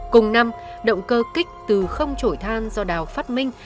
cùng năm động cơ kích từ không trổi than do đào phát minh